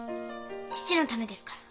父のためですから。